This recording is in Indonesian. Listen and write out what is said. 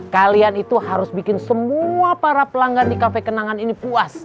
kalian itu harus bikin semua para pelanggan di kafe kenangan ini puas